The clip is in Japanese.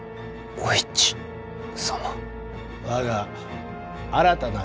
お市様？